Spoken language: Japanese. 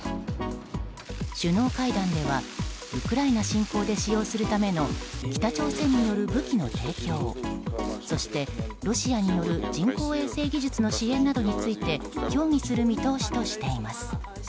首脳会談ではウクライナ侵攻で使用するための北朝鮮による武器の提供そして、ロシアによる人工衛星技術の支援などについて協議する見通しとしています。